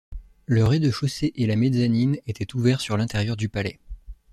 Le rez-de-chaussée et la mezzanine étaient ouverts sur l'intérieur du palais.